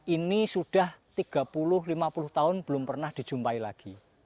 ini sudah tiga puluh lima puluh tahun belum pernah dijumpai lagi